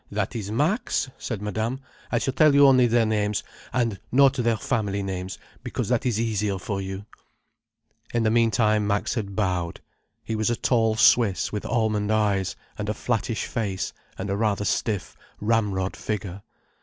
"That is Max," said Madame. "I shall tell you only their names, and not their family names, because that is easier for you—" In the meantime Max had bowed. He was a tall Swiss with almond eyes and a flattish face and a rather stiff, ramrod figure.